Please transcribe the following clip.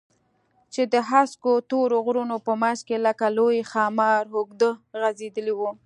چې د هسکو تورو غرونو په منځ کښې لکه لوى ښامار اوږده غځېدلې وه.